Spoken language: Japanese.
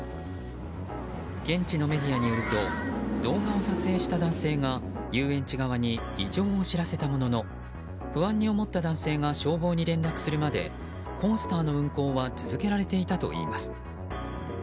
現地のメディアによると動画を撮影した男性が遊園地側に異常を知らせたものの不安に思った男性が消防に連絡するまでコースターの運行は続けられていたといいます。